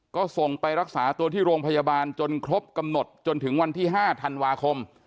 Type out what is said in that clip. ก็ส่งไปรักษาตัวที่โรงพยาบาลจนครบกำหนดจนถึงวันที่๕ธันวาคม